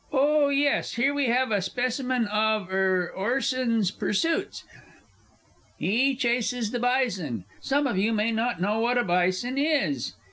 oh, yes here we have a specimen of er Orson's pursuits. He chases the bison. Some of you may not know what a bison is.